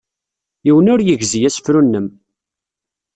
Yiwen ur yegzi asefru-nnem.